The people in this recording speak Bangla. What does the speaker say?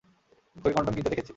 তোকে কনডম কিনতে দেখেছি।